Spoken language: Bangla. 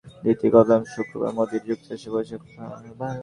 জাতিসংঘের সাধারণ পরিষদে যোগ দিতে গতকাল শুক্রবার মোদির যুক্তরাষ্ট্রে পৌঁছানোর কথা।